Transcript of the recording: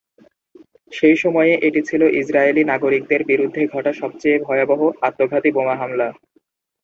সেই সময়ে, এটি ছিল ইসরায়েলি নাগরিকদের বিরুদ্ধে ঘটা সবচেয়ে ভয়াবহ আত্মঘাতী বোমা হামলা।